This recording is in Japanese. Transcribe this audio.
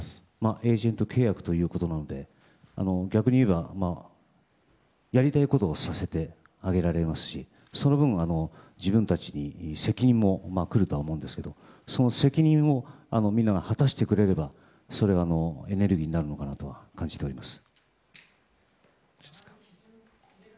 エージェント契約ということなので逆に言えば、やりたいことをさせてあげられますしその分、自分たちに責任も来るとは思うんですけどその責任をみんなが果たしてくれればそれは、エネルギーになるのかなとは感じています。